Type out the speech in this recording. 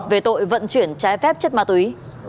về tội vận chuyển trái phép chất ma túy